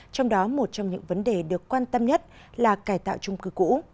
trong đó một trong những vấn đề được quan tâm nhất là cải tạo trung cư cũ